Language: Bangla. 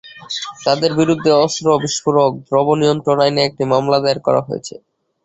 তাঁদের বিরুদ্ধে অস্ত্র, বিস্ফোরক দ্রব্য নিয়ন্ত্রণ আইনে একটি মামলা দায়ের করা হয়েছে।